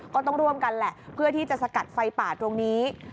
ก็ต้องร่วมกันแหละเพื่อที่จะสกัดไฟป่าตรงนี้